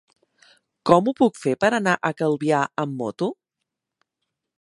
Com ho puc fer per anar a Calvià amb moto?